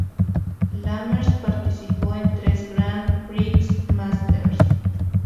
Lammers participado en tres Grand Prix Masters.